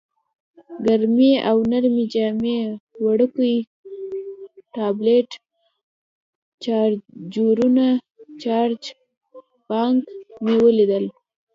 ګرمې او نرۍ جامې، وړوکی ټابلیټ، چارجرونه، چارج بانک مې ولیدل.